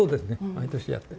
毎年やってる。